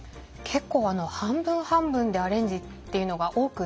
結構あの半分半分でアレンジっていうのが多くって。